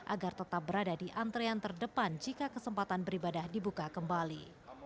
agar tetap berada di antrean terdepan jika kesempatan beribadah dibuka kembali